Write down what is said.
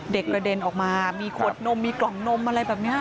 กระเด็นออกมามีขวดนมมีกล่องนมอะไรแบบนี้